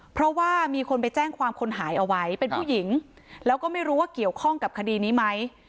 เพราะว่ามีคนไปแจ้งความคนหายเอาไว้เป็นผู้หญิงแล้วก็ไม่รู้ว่าเกี่ยวข้องกับคดีนี้ไหม